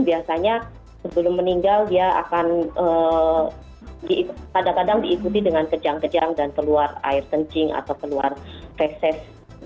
biasanya sebelum meninggal dia akan kadang kadang diikuti dengan kejang kejang dan keluar air kencing atau keluar fesis